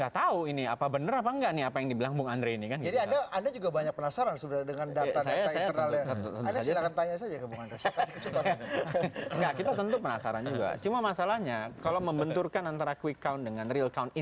terima kasih pak bung kondi